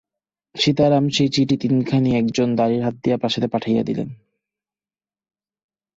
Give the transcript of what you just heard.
সীতারাম সেই চিঠি তিনখানি একজন দাঁড়ির হাত দিয়া প্রাসাদে পাঠাইয়া দিল।